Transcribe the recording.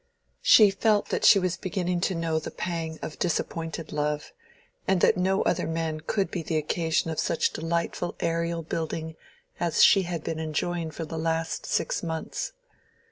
She felt that she was beginning to know the pang of disappointed love, and that no other man could be the occasion of such delightful aerial building as she had been enjoying for the last six months.